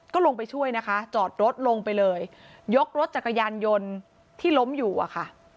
ก็ลงไปช่วยนะคะจอดรถลงไปเลยยกรถจักรยานยนต์ที่ล้มอยู่อะค่ะ